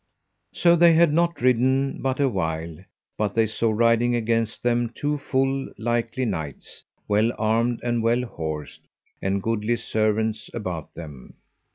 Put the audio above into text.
So they had not ridden but a while, but they saw riding against them two full likely knights, well armed and well horsed, and goodly servants about them.